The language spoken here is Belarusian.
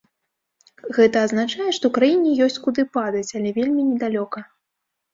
Гэта азначае, што краіне ёсць куды падаць, але вельмі не далёка.